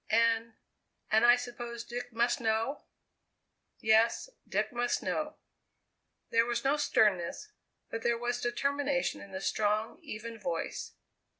"And and I suppose Dick must know?" "Yes. Dick must know." There was no sternness, but there was determination in the strong, even voice.